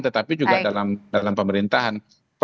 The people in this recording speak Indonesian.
tetapi juga dalam pemerintahan